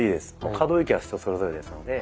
可動域は人それぞれですので。